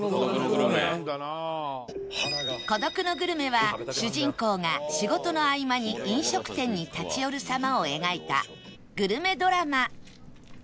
『孤独のグルメ』は主人公が仕事の合間に飲食店に立ち寄る様を描いたグルメドラマ